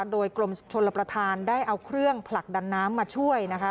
โดยกรมชนรับประทานได้เอาเครื่องผลักดันน้ำมาช่วยนะคะ